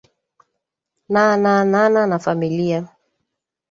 na na nana na familia